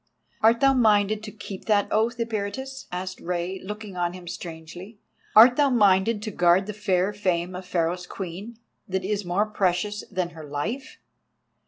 "Art thou minded to keep that oath, Eperitus?" asked Rei, looking on him strangely. "Art thou minded to guard the fair fame of Pharaoh's Queen, that is more precious than her life?